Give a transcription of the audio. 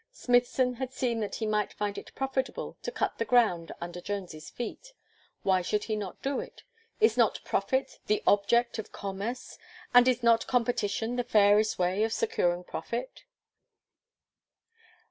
Smithson had seen that he might find it profitable to cut the ground under Jones's feet. Why should he not do it? Is not profit the abject of commerce? and is not competition the fairest way of securing profit?